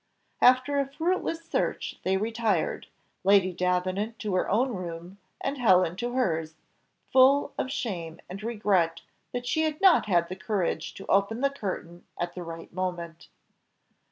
After a fruitless search they retired, Lady Davenant to her own room, and Helen to hers, full of shame and regret that she had not had the courage to open the curtain at the right moment.